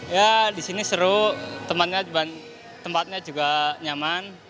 ya disini seru tempatnya juga nyaman